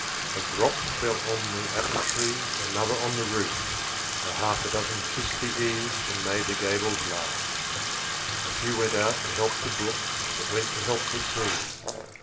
A drop fell on the apple tree, Another on the roof; A half a dozen kissed the eaves, And made the gables laugh. A few went out to help the brook, That went to help the sea.